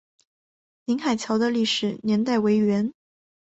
宁海桥的历史年代为元。